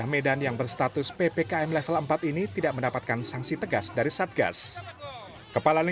kita berubah kemampuan karena sudah mulai lalu